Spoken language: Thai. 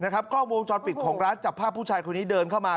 กล้องวงจรปิดของร้านจับภาพผู้ชายคนนี้เดินเข้ามา